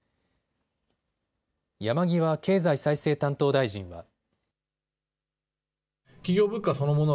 山際経済再生担当大臣は。